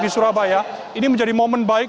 di surabaya ini menjadi momen baik